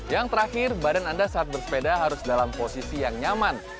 yang terakhir badan anda saat bersepeda harus dalam posisi yang nyaman